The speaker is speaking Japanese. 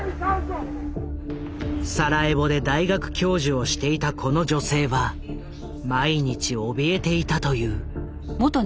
サラエボで大学教授をしていたこの女性は毎日おびえていたという。